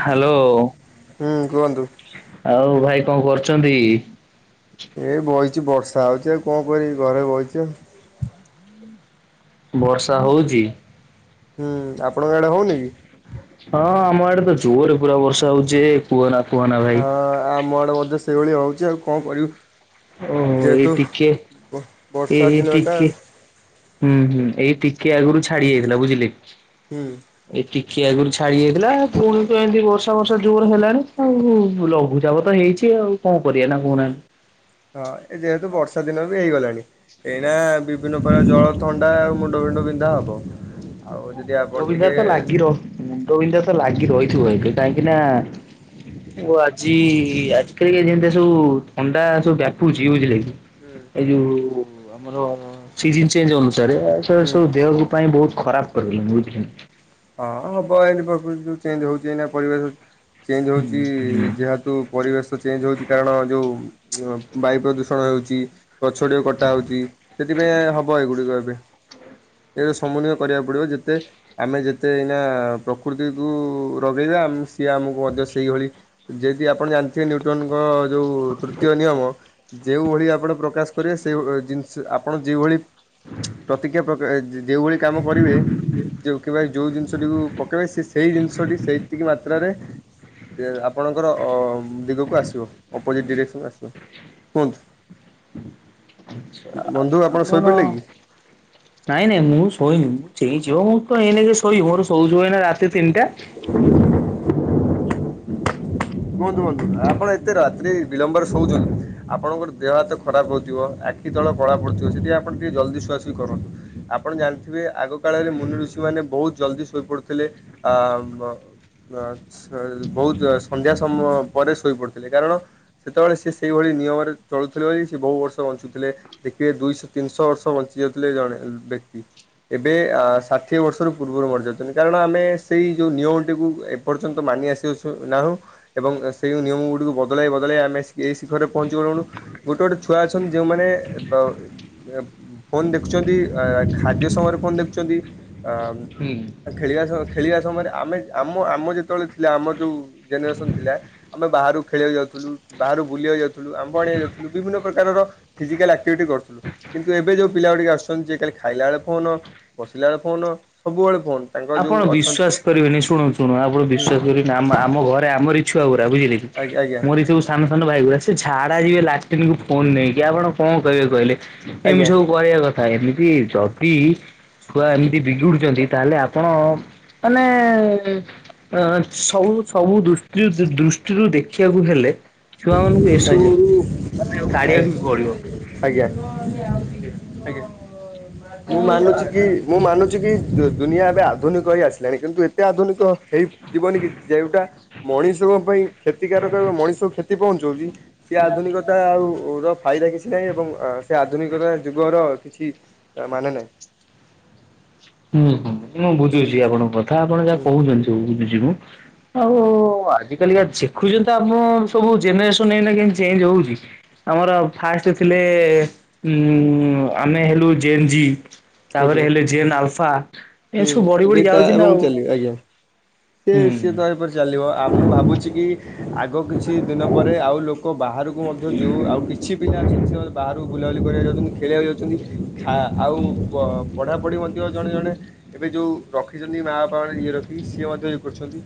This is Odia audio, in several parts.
ହାଲୋ। ହୁଁ କୁହନ୍ତୁ ଆଉ ଭାଇ କଣ କରୁଛନ୍ତି? ଏଇ ବଇଛି ବର୍ଷା ହଉଚି ଆଉ କଣ କରିବି ଘରେ ବଇଛି ଆଉ। ବର୍ଷା ହଉଛି? ହୁଁ ଆପଣଙ୍କ ଆଡେ ହଉନି କି? ହଁ ଆମ ଆଡେ ତ ଜୋର୍ ରେ ପୁରା ବର୍ଷା ହଉଛି। କୁହନା କୁହନା। ଭାଇ। ହଁ ଆମ ଆଡେ ମଧ୍ୟ ସେଇଭଳି ହଉଛି ଆଉ କଣ କରିବୁ। ଓହୋ ଏଇ ଯେହେତୁ ଟିକେ ଵ-ବର୍ଷା ଏଇ ଦିନଟା ଟିକେ ଆଉ। ହୁଁ ହୁଁ ଏଇ ଟିକେ ଆଗରୁ ଛାଡ଼ି ହେଇଥିଲା ବୁଝିଲେ। ହୁଁ। ଏଇ ଟିକେ ଆଗରୁ ଛାଡି ଯାଇଥିଲା ପୁଣି ତ ଏମିତି ବର୍ଷା ଫର୍ଷା ଜୋରେ ହେଲାଣିି ଆଉ ଲଘୁଚାପ ତ ହେଇଛି ଆଉ କଣ କରିବା ନା କହୁ ନାହାନ୍ତି? ହଁ ଏ ଯେହେତୁ ବର୍ଷା ଦିନ ବି ହେଇଗଲାଣି ଏଇନା ବିଭିନ୍ନ ପ୍ରକାର ଜର ଥଣ୍ଡା ଆଉ ମୁଣ୍ଡ ଫୁଣ୍ଡ ବିନ୍ଧା ହବ। ଆଉ ହଁ ଯଦି ଆପଣ ମୁଣ୍ଡ ବିନ୍ଧା ଟିକେ ତ ଲାଗି ରହିବ ମୁଣ୍ଡ ବିନ୍ଧା ତ ଲାଗି ରହିଥିବ ଏବେ କାହିଁକି ନା ମୁଁ ଆଜି ଆଜି କାଲିକା ଯେମିତି ସବୁ ଥଣ୍ଡା ସବୁ ବ୍ୟାପୁଛି ବୁଝିଲେ କି? ହୁଁ। ଏଇ ଯୋଉ ଆମର ସିଜିନ୍ ଚେଞ୍ଜ ଅନୁସାରେ ସେ ହୁଁ ସବୁ ଦେହ ପାଇଁ ବୋହୁତ୍ ଖରାପ୍। [unintelligible] ହଁ ହବ ଏଇନା ପ୍ରକୃତି ଯୋଉ ଚେଞ୍ଜ ହୋଉଚି ଏଇନା ପରିବେଶ ଚେଞ୍ଜ ହୋଉଚି ହୁଁ ଯେହେତୁ ପରିବେଶ ଚେଞ୍ଜ ହୋଉଚି କାରଣ ଯୋଉ ବାୟୁ ପ୍ରଦୂଷଣ ହେଉଚି ଗଛ ଯୋଉ କଟା ହୋଉଚି ସେଥିପାଇଁ ଆଉ ହବ ଏଗୁଡ଼ିକ ଏବେ। ସମୁନ୍ୱୟ କରିବାକୁ ପଡ଼ିବ ଯେତେ ଆମେ ଯେତେ ତେ ଏଇନା ପ୍ରକୃତିକୁ ରଗେଇବା ଆମ୍ ସିଏ ଆମକୁ ମଧ୍ୟ ସେଇଭଳି ଯେମିତି ଆପଣ ଜାଣିଥିବେ ନ୍ୟୁଟନ୍ ଙ୍କ ଯୋଉ ତୃତୀୟ ନିୟମ ଯେଉଁ ଭଳି ଆପଣ ପ୍ରକାଶ୍ କରିବେ ସେହି ଭଳି ଜିନିଷ ଆପଣ ଯେଉଁଭଳି ପ୍ରତିକ୍ରିୟା ପ୍ରକାଶ୍ ଏଇ ଯେଉଁ ଭଳି କାମ କରିବେ ଯୋଉଥି ପାଇଁ ଯୋଉ ଜିନିଷଟିକୁ ପକେଇବେ ସେ ସେଇ ଜିନିଷଟି ସେଇତିକି ମାତ୍ରାରେ ସେ ଆପଣଙ୍କର ଅ ଦିଗକୁ ଆସିବ ଅପୋଜିଟ୍ ଡିରେକ୍ସନ୍ ଆସିବ। କୁହନ୍ତୁ? [unintelligible] ଆଛା। ବନ୍ଧୁ ଆ ଆପଣ ନାଇଁ ନାଇଁ ମୁଁ ଶୋଇନି ମୁଁ ଚେଇଁଛି ହଁ ମୁଁ କଣ ଏଇନେକେ ଶୋଇବି ମୋର ଶୋଉ ଶୋଉ ଏଇନା ରାତି ତିନିଟା। [inaudible] କୁହନ୍ତୁ କୁହନ୍ତୁ ଆପଣ ଏତେ ରାତିି ବିଳମ୍ବରେ ଶୋଉଚନ୍ତି ଆପଣଙ୍କର ଦେହ ହାତ ଖରାପ୍ ହୋଉଥିବ ଆଖି ତଳ କଳା ପଡୁଥିବା ସେଥିପାଇଁ ଆପଣ ଟିକେ ଜଲ୍ଦି ଶୁଆଶୁଇ ଏମିତି କରନ୍ତି ଆପଣ ଜାଣିଥିବେ ଆଗ କାଳରେ ମୁନି ଋଷି ମାନେ ବୋହୁତ୍ ଜଲ୍ଦୀ ଶୋଇ ପଡୁଥିଲେ ଆ ବ ବ ସ ବୋହୁତ ସନ୍ଧ୍ୟା ସମୟ ପରେ ଶୋଇ ପଡୁଥିଲେ କାରଣ ସେତେବେଳେ ସେ ସେହିଭଳି ନିୟମରେ ଚଳୁଥିଲେ ବୋଲି ସେ ବହୁ ବର୍ଷ ବଞ୍ଚୁଥିଲେ ଦେଖିବେ ଦୁଇଶ ତିନିଶ ବର୍ଷ ବଞ୍ଚି ଯାଉଥିଲେ ଜଣେ ଜଣେ ବ୍ୟକ୍ତି। ଏବେ ଆ ଷାଠିଏ ବର୍ଷରୁ ପୂର୍ବରୁ ମରି ଯାଉଚନ୍ତି କାରଣ ଆମେ ସେଇ ଯୋଉ ନିୟମଟିକୁ ଏ ପର୍ଯ୍ୟନ୍ତ ମାନି ଆସିଅଛୁ ନାହୁ ଏବଂ ସେଇ ନିୟମ୍ ଗୁଡ଼ିକୁ ବଦଳାଇ ବଦଳାଇ ଆମେ ସେ ଶିଖରରେ ପହଁଞ୍ଚି ଗଲୁଣୁ ଗୋଟେ ଗୋଟେ ଛୁଆ ଅଛନ୍ତି ଯୋଉଁମାନେ ବ ଫୋନ୍ ଦେଖୁଚନ୍ତି ଆ ଖାଦ୍ୟ ସମୟରେ ଫୋନ୍ ଦେଖୁଚନ୍ତି ଆ ହୁଁ। ଆ ଖେଳିବା ସ ଖେଳିବା ସମୟରେ ଆମେ ଆମ ଆମ ଯେତେବେଳେ ଥିଲା ଆମ ଯେଉଁ ଜେନେରେସନ୍ ଥିଲା ଆମେ ବାହାରୁ ଖେଳିବାକୁ ଯାଉଥୁଲୁ ବାହାରୁକୁ ବୁଲିବାକୁ ଯାଉଥୁଲୁ ଆମ୍ବ ଆଣିବାକୁ ଯାଉଥୁଲୁ ବିଭିନ୍ନ ପ୍ରକାରର ଫିଜିକାଲ୍ ଆକ୍ଟିଭିଟି କରଥୁଲୁ। କିନ୍ତୁ ଏବେ ଯୋଉ ପିଲା ଗୁଡ଼ିକ ଆସୁଛନ୍ତି ଯେ ଖାଲି ଖାଇଲା ବେଳେ ଫୋନ ବସିଲା ବେଳେ ଫୋନ ସବୁବେଳେ ଫୋନ୍ ଆପଣ ବିଶ୍ଵାସ କରିବେନି ଶୁଣନ୍ତୁ ଶୁଣୁ ଆପଣ ହୁଁ ବିଶ୍ଵାସ କରିବେ ଆମ ଆମ ଘରେ ଆମର ଇ ଛୁଆଗୁୁରା ବୁଝିଲେ କି ଆଜ୍ଞା ଆଜ୍ଞା ମୋରି ସବୁ ସାନ ସାନ ଭାଇ ଗୁଡା ସେ ଛାଡା ଯିବେ ଲାଟିନ୍ କୁ ଫୋନ ନେଇକି ଆପଣ କଣ କହିବେ କହିଲେ ଏମତି ଆଜ୍ଞା ସବୁ କହିବା କଥା ଏମିତି ଯଦି ଛୁଆ ଏମିତି ବିଗିଡୁଛନ୍ତି ତାହେଲେ ଆ ଆପଣ ମାନେ ଅ ସବୁ ସବୁ ଦୃଷ୍ଟି ଦୃଷ୍ଟିରୁ ଦେଖିବାକୁ ହେଲେ ଛୁଆ ମାନଙ୍କୁ ଆଜ୍ଞା ଏସବୁ ମାନେ କାଢିବାକୁ ବି ପଡିବ। ଆଜ୍ଞା। ଆଜ୍ଞା। ମୁଁ ମାନୁଛି କି ଆଉ ମୁଁ ମାନୁଛି କି ଦୁ ଦୁନିଆ ଏବେ ଆଧୁନିକ ହିଁ ଆସିଲାଣି କିନ୍ତୁ ଏତେ ଆଧୁନିକ ହେଇ ଜୀବନି କି ଯେଉଁଟା ମଣିଷଙ୍କ ପାଇଁ କ୍ଷତିକାରକ ଏବଂ ମଣିଷ କ୍ କ୍ଷତି ପହଞ୍ଚଉଚ୍ଛି ସେ ଆଧୁନିକତା ଆଉ ର ଫାଇଦା କିଛି ନାହିଁ ଏବଂ ସେ ଆଧୁନିକତା ଯୁଗର କିଛି ମାନେ ନାହିଁ। ହୁଁ ହୁଁ ମୁଁ ହୁଁ ବୁଝୁଛି ଆପଣଙ୍କ କଥା ଆପଣ ଯାହା ହୁଁ। କହୁଛନ୍ତି ସବୁ ବୁଝୁଛି ମୁଁ ଆଉ ଆଜି କାଲିକା ଦେଖୁଛନ୍ତି ତ ଆମ ସବୁ ଜେନେରେସନ ଏଇନା କେ ଚେଞ୍ଜ ହଉଛି। ଆମର ଫାଷ୍ଟ ଥିଲେ ଉ ଉ ଉ ଆମେ ହେଲୁ ଜେନ୍ଜି। ତାପରେ ଆଜ୍ଞା ହେଲେ ଜେନ ଆଲଫା ଏ ହୁଁ ସବୁ ବଢି ବଢି ଯାଉଛି ନା ଆଉ ସି ହୁଁ ସିଏ ତପରି ଚାଲିବ ଆଉ ମୁଁ ଭାବୁଛି କି ଆଗ କିଛି ଦିନ ପରେ ଆଉ ଲୋ କ ବାହାରକୁ ମଧ୍ୟ ଯୋଉ ଆଉ କିଛି ପିଲା ଅଛନ୍ତି ସେ ବାହାରୁ ବୁଲାବୁଲି କରିବାକୁ ଯାଉଛନ୍ତି ଖେଳିବାକୁ ଯାଉଛନ୍ତି ଖା ଆଉ ପଢ଼ାପଢ଼ି ମଧ୍ୟ ଜଣେ ଜଣେ ଏବେ ଯୋଉ ରଖିଛନ୍ତି ମା ବାପା ମାନେ ନିଜେ ରଖି ସିଏ ମଧ୍ୟ ଇଏ କରୁଛନ୍ତି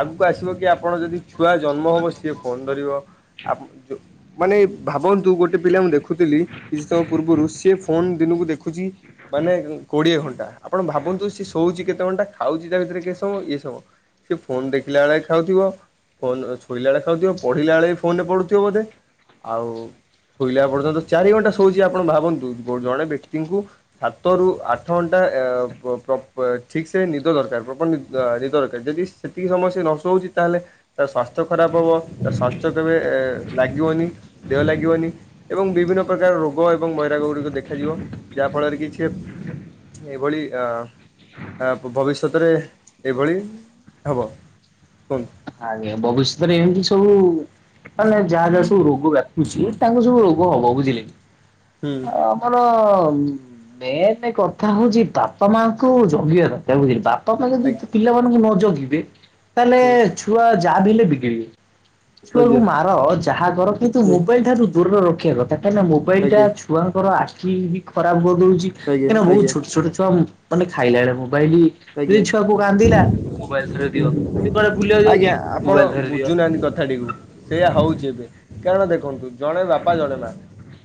ଆଗକୁ ଆସିବ କି ଆପଣ ଯଦି ଛୁଆ ଜନ୍ମ ହବ ସିଏ ଫୋନ ଧରିବ ଆପ୍ ମାନେ ଭାବନ୍ତୁ ଗୋଟେ ପିଲା ମୁଁ ଦେଖୁଥିଲି କିଛି ସମୟ ପୂର୍ବରୁ ସେ ଫୋନ୍ ଦିନକୁ ଦେଖୁଛି ମାନେ କୋଡିଏ ଘଣ୍ଟା ଆପଣ ଭାବନ୍ତୁ ସିଏ ଶୋଉଛି କେତେ ଘଣ୍ଟା ଖାଉଛି ତା ଭିତରେ କେତେ ସମୟ? ସେ ଫୋନ୍ ଦେଖିଲା ବେଳେ ଖାଉଥିବ। ଫୋନ ଶୋଇଲା ବେଳେ ଖାଉଥିବ ପଢିଲା ବେଳେ ବି ଫୋନ ରେ ପଢୁଥିବ ବୋଧେ ଆଉ ଶୋଇଲା ପର୍ଯ୍ୟନ୍ତ ଚାରି ଘଣ୍ଟା ଶୋଇଛି ଆପଣ ଭାବନ୍ତୁ ଜଣେ ବ୍ୟକ୍ତିଙ୍କୁ ସାତ ରୁ ଆଠ ଘଣ୍ଟା ଠିକ ସେ ନିଦ ଦରକାର ପ୍ରପର ନିଦ ଦରକାର। ଦରକାର ଯଦି ସେତିକି ସମୟ ନଶୋଉଛି ତାହେଲେ ତା ସ୍ଵାସ୍ଥ୍ୟ ଖରାପ ହବ ତା ସ୍ଵାସ୍ଥ୍ୟ କେବେ ଲାଗିବନି। ଦେହ ଲାଗିବନି ଏବଂ ବିଭିନ୍ନ ପ୍ରକାର ରୋଗ ଏବଂ ବୈରାଗ ଗୁଡିକ ଦେଖାଯିବ। ଯାହା ଫଳରେ କିଛି ଏଭଳି ଅ ଭବିଷ୍ୟତରେ ଏଭଳି ହବ କୁହନ୍ତୁ। ଆଜ୍ଞା, ଭବିଷ୍ୟତରେ ଏମିତି ସବୁ ମାନେ ଯାହା ଯାହା ସବୁ ରୋଗ ବ୍ୟାପୁଛି ତାଙ୍କୁ ସବୁ ରୋଗ ହବ ବୁଝିଲେ? ହୁଁ। ମୋର ମେନ୍ କଥା ହଉଛି ବାପା ମାଙ୍କୁୁ ଜଗିବା ଦରକାର ବା ତମେ ଯଦି ପିଲାମାନଙ୍କୁ ନ ଜଗିବେ ତାହେଲେ ଛୁଆ ଯାହା ବି ହେଲେ ବିଗିଡ଼ିବେ ତ କୁ ଆଜ୍ଞା ଆଜ୍ଞା ମାର ଯାହାକର କିନ୍ତୁ ମୋବାଇଲ ଠାରୁ ଦୂରରେ ରଖିବା କଥା କାହିଁନା ମୋବା ମୋବାଇଲଟା ଆଜ୍ଞା ଆଜ୍ଞା ଛୁଆଙ୍କର ଆଖି ବି ଖରାପ କରିଦଉଛି କାହିଁକିନା ବହୁତ ଆଜ୍ଞା ଛୋଟ ଛୋଟ ଛୁଆ ମାନେ ଖାଇଲା ବେଳେ ମୋବାଇଲ ଯଦି ଆଜ୍ଞା ଛୁଆକୁ କାନ୍ଦିଲା ମୋବାଇଲ ଧରେଇ ଦିଅ କିମ୍ବା ଆଜ୍ଞା ଆପଣ ବୁଝୁନ କଥାଟିକୁ ସେଇୟା ହଉଛି ଏବେ କାରଣ ଦେଖନ୍ତୁ ଜଣେ ବାପା ଜଣେ ମା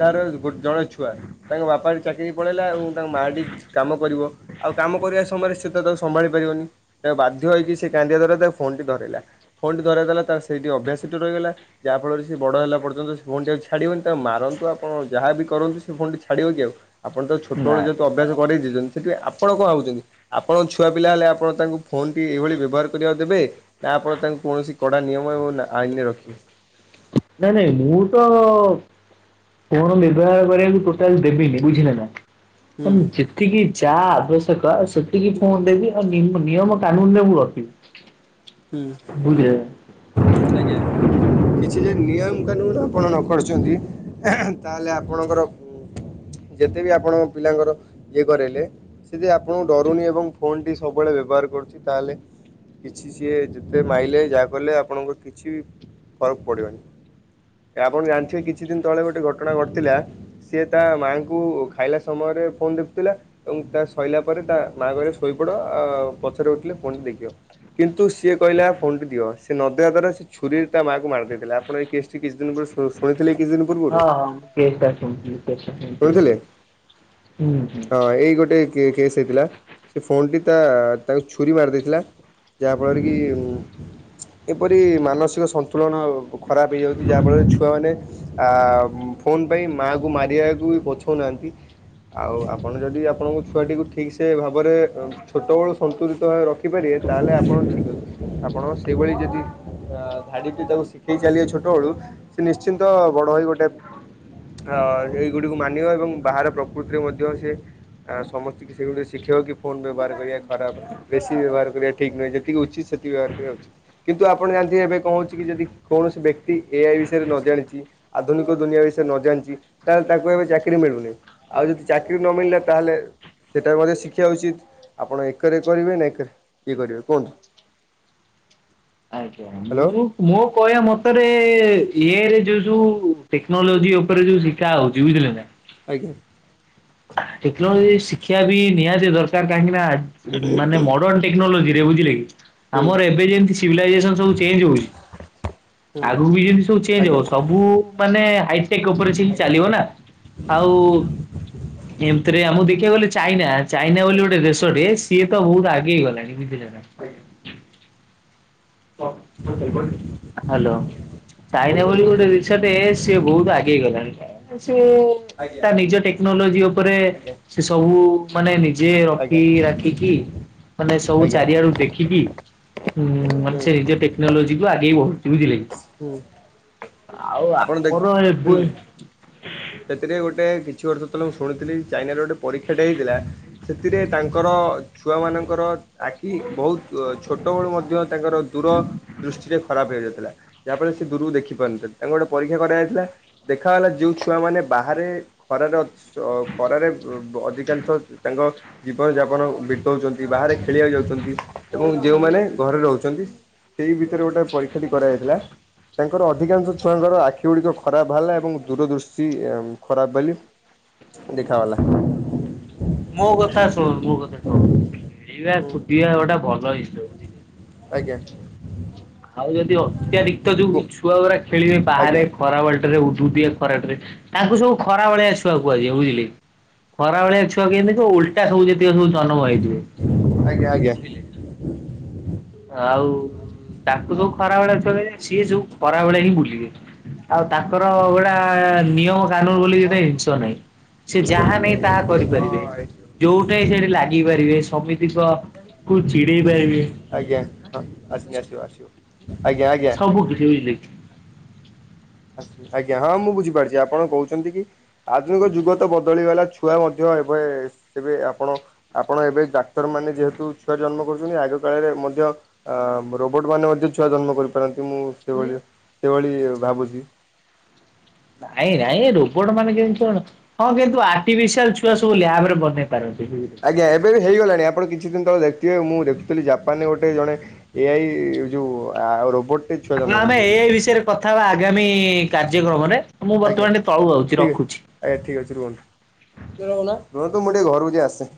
ତାର ଗୋ ଜଣେ ଛୁଆ। ତାଙ୍କ ବାପା ଚାକିରି ପଳେଇଲା ଏବଂ ତାଙ୍କ ମାଟି କାମ କରିବ ଆଉ କାମ କରିବା ସମୟରେ ସେ ସେ ତ ତାକୁ ସମ୍ଭାଳି ପାରିବନି ତା ବାଧ୍ୟ ହେଇକି ସେ କାନ୍ଦିଆ ଦର ତା ଫୋନ ଟି ଧରାଇଲା। ଫୋନେଟି ଧରାଇ ଦେଲା ତାର ସେଇଠି ଅଭ୍ୟାସଟି ରହିଗଲା। ଯାହାଫଳରେ ସେ ବଡ଼ ହେଲା ପର୍ଯ୍ୟନ୍ତ ସେ ଫୋନଟି ଆଉ ଛାଡ଼ିବନି ତ ଆଉ ମାରନ୍ତୁ ଆପଣ ଯାହାବି କରନ୍ତୁ ସେ ଫୋନ ଟି ଛାଡ଼ିବ କି ଆଉ? ଆପଣ ତ ନା ଛୋଟବେଳେ ଯେହେତୁ ଅଭ୍ୟାସ କରେଇ ଦେଇଛନ୍ତି। ସେଥିପାଇଁ ଆପଣ କଣ ଭାବୁଛନ୍ତି? ଆପଣଙ୍କ ଛୁଆ ପିଲା ହେଲେ ଆପଣ ତାଙ୍କୁ ଫୋନଟି ଏଇଭଳି ବ୍ୟବହାର କରିବାକୁ ଦେବେ? ନା ଆପଣ ତାଙ୍କୁ କୌଣସି କଡ଼ା ନିୟମ ଏବଂ ଆଇନରେ ରଖିବେ। ନାଇଁ ନାଇଁ ମୁଁ ତ କଣ ଫୋନ ବ୍ୟବହାର କରିବାକୁ ଟୋଟାଲି ଦେବିନି ବୁଝିଲେ ନା। ହୁଁ ଅନୁଚିତ। ସେତିକି ଯାହା ଆବଶ୍ୟକ ସେତିକି ଫୋନ ଦେବି ଆଉ ନିୟମ କାନୁନରେ ମୁଁ ରଖିବି। ହୁଁ [inaudible] ଆଜ୍ଞା। କିଛି ଯଦି ନିୟମ କାନୁନ ଆପଣ ନ କରୁଛନ୍ତି ତାହେଲେ ଆପଣଙ୍କର ଯେତେ ବି ଆପଣଙ୍କ ପିଲାଙ୍କର ଇଏ କରାଇଲେ ସେ ଯଦି ଆପଣଙ୍କୁ ଡରୁନି ଏବଂ ଫୋନଟି ସବୁବେଳେ ବ୍ୟବହାର କରୁଛି। ତାହେଲେ କିଛି ଯିଏ ଯେତେ ମାଇଲେ ଯାହା କଲେ ଆପଣଙ୍କର କିଛି ବି ଫରକ ପଡ଼ିବନି। ଆପଣ ଜାଣିଥିବେ କିଛି ଦିନ ତଳେ ଗୋଟେ ଘଟଣା ଘଟିଥିଲା ସିଏ ତା ମାଆଙ୍କୁ ଖାଇଲା ସମୟରେ ଫୋନ୍ ଦେଖୁଥିଲା ଏବଂ ତା ସଇଲା ପରେ ତା ମା କହିଲେ ଶୋଇପଡ ଆ ପଛରେ ଉଠିଲେ ଫୋନଟା ଦେଖିବ। କିନ୍ତୁ ସିଏ କହିଲା ଫୋନଟି ଦିଅ ସେ ନଦେବା ଦ୍ୱାରା ଛୁରୀ ତା ମାଆକୁ ମାରି ଦେଇଥିଲା। ଆପଣ ଏଇ କେସଟି କିଛି ଦିନ ପରେ କହିଥିଲେ କିଛି ପୂର୍ବରୁ ହଁ ହଁ ମୁଁ କେସଟା ଶୁଣିଥିଲି କେସଟା ଶୁଣିଥିଲି ଶୁଣିଥିଲେ ହୁଁ ହୁଁ। ହଁ ଏଇ ଗୋଟେ କେସ୍ ହେଇଥିଲା ସେ ଫୋନଟି ତା ତାଙ୍କୁ ଛୁରୀ ମାରି ଦେଇଥିଲା। ଯାହାଫଳରେ କି ଏପରି ମାନସିକ ସନ୍ତୁଳନ ଖରାପ ହେଇଯାଉଛି ଯାହାଫଳରେ ଛୁଆମାନେ ଫୋନ୍ ପାଇଁ ମାଆଙ୍କୁ ମାରିବା କୁ ବି ପଛଉନାହାନ୍ତି ଆଉ ଆପଣ ଯଦି ଆପଣଙ୍କ ଛୁଆଟିକୁ ଠିକ। ସେ ଭାବରେ ଛୋଟବେଳୁ ସନ୍ତୁଳିତ ଭାବେ ରଖିପାରିବେ ତାହେଲେ ଆପଣ ଠିକ୍ ଅଛି। ଆପଣ ସେଇଭଳି ଯଦି ଧାଡିଟେ ତାକୁ ଶିଖେଇ ଚାଲିବେ ଛୋଟବେଳୁ ସେ ନିଶ୍ଚିନ୍ତ ବଡ ହେଇ ଗୋଟେ ଅ ଏଇ ଗୁଡିକୁ ମାନିବ ଏବଂ ବାହାର ପ୍ରକୃତିରେ ମଧ୍ୟ ସେ ଆ ସମସ୍ତେ କି ସେଇ ଗୁଡିକ ଶିଖେଇବକି ଫୋନ ବ୍ୟବହାର କରିବା ଖରାପ। ବେଶୀ ବ୍ୟବହାର କରିବା ଠିକ୍ ନୁହେଁ ଯେତିକି ଉଚିତ ସେତିକି ବ୍ୟବହାର କରିବା ଉଚିତ। କିନ୍ତୁ ଆପଣ ଜାଣିଥବେ ଏବେ କଣ କହୁଛି କି ଯଦି କୌଣସି ବ୍ୟକ୍ତି ଏଆଇ ବିଷୟରେ ନ ଜାଣିଛି ଆଧୁନିକ ଦୁନିଆ ବିଷୟରେ ନ ଜାଣିଛି ତାଙ୍କୁ ଏବେ ଚାକିରି ମିଳୁନି। ଆଉ ଯଦି ଚାକିରି ନ ମିଳିଲା ତାହେଲେ ସେଇଟା ବି ମଧ୍ୟ ଶିଖିବା ଉଚିତ୍ ଆପଣ ଏକରେ କରିବେ ନା ଏକରେ ଇଏ କରିବେ କୁହନ୍ତୁ। ଆଜ୍ଞା ହ୍ୟାଲୋ ମୁଁ ମୋ କହିବା ମତରେ ଇରେ ଯୋଉ ଯୋଉ ଟେକ୍ନୋଲୋଜି ଉପରେ ଯୋଉ ଶିଖା ହଉଛି ବୁଝିଲେ ନା ଆଜ୍ଞା। ଟେକ୍ନୋଲୋଜି ଶିକ୍ଷିବା ବି ନିହାତି ଦରକାର। କାହିଁକି ନା ମାନେ ମଡର୍ଣ ଟେକନୋଲୋଜିରେ ବୁଝିଲେ କି ହୁଁ ଆମର ଏବେ ଯେମିତି ସିଭିଲାଇଜେସନ ସବୁ ଚେଞ୍ଜ ହେଉଚି ହୁଁ ଆଗକୁ ବି ଯମିତି ସବୁ ଚେଞ୍ଜ ଆଜ୍ଞା ହବ ସବୁ ମାନେ ହାଇଟେକ୍ ଅପରେସନ ଆଜ୍ଞା ଚାଲିବ ନା ଆଉ ଏମିତିରେ ଆମକୁ ଦେଖିବାକୁ ଗଲେ ଚାଇନା ଚାଇନା ବୋଲି ଗୋଟେ ଦେଶଟେ ସିଏ ତ ବହୁତ ଆଗେଇ ହେଇଗଲାଣି ବୁଝିଲ। [inaudible] ହ୍ୟାଲୋ। ଚାଇନା ବୋଲି ଗୋଟେ ଦେଶଟେ ସିଏ ବହୁତ ଆଗେଇ ଗଲାଣି। ସିଏ ଆଜ୍ଞା ତା ନିଜ ଟେ ନୋଲୋଜି ଉପରେ ଆଜ୍ଞା ସେ ସବୁ ମାନେ ନିଜେ ଆଜ୍ଞା ରଖି ରାଖିକି ମାନେ ସବୁ ଆଜ୍ଞା। ଚାରିଆଡୁ ଦେଖିକି। ହୁଁ ମାନେ ହୁଁ ସେ ନିଜ ଟେକ୍ନୋଲୋଜିକୁୁ ଆଗେଇ ବଢୁଛି ବୁଝିଲ କି। ହୁଁ। ଆଉ ଆପଣ ଦେଖ ଆମର ଏବେ ହୁଁ ସେଥିରେ ଗୋଟେ କିଛି ବର୍ଷ ତଳେ ମୁଁ ଶୁଣିଥିଲି ଚାଇନାରେ ଗୋଟେ ପରୀକ୍ଷାଟା ହେଇଥିଲା। ସେଥିରେ ତାଙ୍କର ଛୁଆମାନଙ୍କର ଆଖି ବହୁତ ଛୋଟବେଳୁ ମଧ୍ୟ ତାଙ୍କର ଦୂର ଦୃଷ୍ଟିରେ ଖରାପ ହେଇଯାଇଥିଲା ଯାହାଫଳରେ ସେ ଦୂରକୁ ଦେଖି ପାରୁନଥିଲେ ତାଙ୍କୁ ଗୋଟେ ପରୀକ୍ଷା କରାଯାଇଥିଲା ଦେଖା ହେଲା ଯଉଛି ଛୁଆମାନେ ବାହାରେ ଖରାରେ ଖରାରେ ଅଧିକାଂଶ ତାଙ୍କ ଜୀବନ ଯାପନ ବିତଉଛନ୍ତି ବାହାରେ ଖେଳିବାକୁ ଯାଉଛନ୍ତି ଏବଂ ଯେଉଁମାନେ ଘରେ ରହୁଛନ୍ତି ସେଇ ଭିତରେ ଗୋଟେ ପରୀକ୍ଷା କରାଯାଇଥିଲା ତାଙ୍କର ଅଧିକାଂଶ ଛୁଆଙ୍କର ଆଖି ଗୁଡିକ ଖରାପ ବାହାଲା ଏବଂ ଦୂରଦୃଷ୍ଟି ସିଏ ଖରାପ ବୋଲି ଦେଖାଗଲା। ମୋ କଥା ଶୁଣ ମୋ କଥା ଶୁଣ ଖେଳିବା ହୁଁ ଫୁଟିବା ଗୋଟା ଭଲ ହେଇ ଆଜ୍ଞା। ଆଉ ଯଦି ଅତ୍ୟଧିକ କୁ ଯୋଉ ଛୁଆ ଗୁଡା ଖେଳିବେ ବାହାରେ ଆଜ୍ଞା ଖରାବେଳ ଟା ରେ ଉଦୁ ଉଦିଆ ଖରାଟାରେ ତାଙ୍କୁ ସବୁ ଖରା ଭଳିଆଛୁଆ କୁହାଯାଏ ବୁଝିଲେ। ଖରା ଭଳିଆ ଛୁଆ କେମିତି ଯୋଉ ଉଲଟା ସବୁ ଯେତିକ ସବୁ ଜନମ ହେଇଥିବେ। ଆଜ୍ଞା ଆଜ୍ଞା। ବୁଝିଲେ ଆଉ ତାଙ୍କୁ ସବୁ ଖରା ବେଳିଆ [unintelligible] ସିଏ ସବୁ ଖରାବେଳେ ହିଁ ବୁଲିବେ। ଆଉ ତାଙ୍କର ଗୋଡା ନିୟମ କାନୁନ ବୋଲି ଗୋଟେ ଇନଷ ନାହିଁ। ସିଏ ଯାହା ନାହିଁ ତାହା କରିପାରିବେ ଯୋଉଠେ ସେଇଠେ ଲାଗିପାରିବେ ସମିତିଙ୍କ କୁ ଚିଡେଇ ପାରିବେ। ଆଜ୍ଞା ହଁ ଆସନି ଆସିବ ଆସିବ। ଆଜ୍ଞା ଆଜ୍ଞା। ସବୁ କିଛି [unintelligible] ଆଜ୍ଞା ହଁ ମୁଁ ବୁଝିପାରୁଚି ଆପଣ କହୁଚନ୍ତି କି ଆଧୁନିକ ଯୁଗ ତ ବଦଳିଗଲା ଛୁଆ ମଧ୍ୟ ଏବେ ଏବେ ଆପଣ ଆପଣ ଏବେ ଡାକ୍ତରମାନେ ଯେହେତୁ ଛୁଆ ଜନ୍ମ କରୁଛନ୍ତି ଆଗ କାଳରେ ମଧ୍ୟ ଆ ରୋବୋଟମାନେ ମଧ୍ୟ ଛୁଆ ଜନ୍ମ କରିପାରନ୍ତି ମୁଁ ସେଇଭଳିଆ ସେଇଭଳି ଭାବୁଛି। ନାଇଁ ନାଇଁ ରୋବୋଟମାନେ କେମିତି ଛୁଆ [unintelligible] ହଁ କିନ୍ତୁ ଆର୍ଟିଫିସିଆଲ୍ ଛୁଆ ସବୁ ଲ୍ୟାବରେ ବନେଇ ପାରନ୍ତି। [unintelligible] ଆଜ୍ଞା ଏବେ ବି ହେଇଗଲାଣି ଆପଣ କିଛି ଦିନ ତଳେ ଦେଖଥିବେ ମୁଁ ଦେଖୁଥିଲି ଜାପାନରେ ଗୋଟେ ଜଣେ ଏ ଆଇ ଏଇ ଯୋଉ ଆ ଆଉ ରୋବଟ୍ ତାହେଲେ ଆମେ ଏ ଆଇ ବିଷେୟେରେ କଥା ହବା ଆଗାମୀ କାର୍ଯ୍ୟକ୍ରମରେ ମୁଁ ଆଜ୍ଞା। ବର୍ତ୍ତମାନ ଟିକେ ତଳୁ ଆଉଚି ଠିକ୍ ଅଛି ରଖୁଛି। ଆଜ୍ଞା ଠିକ୍ ଅଛି ରୁହନ୍ତୁ ରୁହନ୍ତୁ ମୁଁ ଟିକେ ଘରକୁ ଯାଇ ଆସେ।